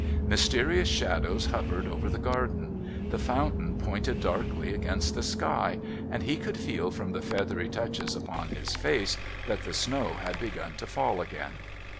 Mysterious shadows hovered over the garden; the fountain pointed darkly against the sky, and he could feel from the feathery touches upon his face that the snow had begun to fall again.